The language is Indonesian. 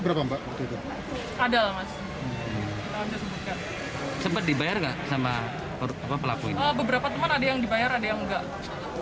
beberapa teman ada yang dibayar ada yang nggak